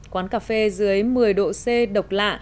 quán cà phê dưới một mươi độ c độc lạ